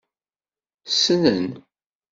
Ssnen.